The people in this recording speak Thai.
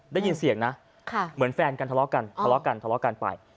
ได้ยินเสียงนะเหมือนแฟนกันทะเลาะกันทะเลาะกันทะเลาะกันไป